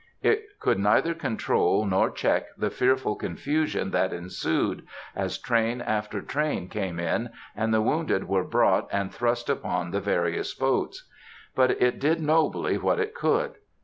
It could neither control nor check the fearful confusion that ensued, as train after train came in, and the wounded were brought and thrust upon the various boats. But it did nobly what it could.